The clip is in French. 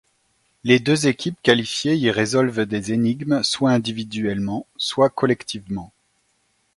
Les deux équipes qualifiées y résolvent des énigmes soit individuellement, soit collectivement.